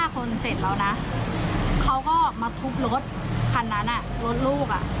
คนเสร็จแล้วนะเขาก็มาทุบรถคันนั้นรถลูก